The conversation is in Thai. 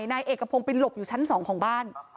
นายเอกพงไปหลบในชั้น๒ของบ้าน